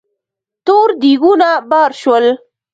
تور دېګونه بار شول.